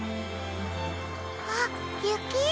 あっゆき？